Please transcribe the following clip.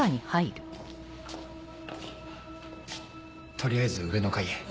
取りあえず上の階へ。